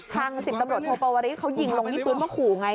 ทางสิบตำรวจโธปวริษฐ์เขายิงลงมีปื้นมาขู่ไง